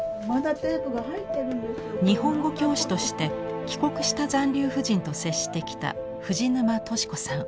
日本語教師として帰国した残留婦人と接してきた藤沼敏子さん。